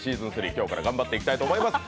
今日から頑張っていきたいと思います。